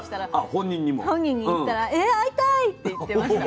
本人に言ったら「え会いたい！」って言ってました。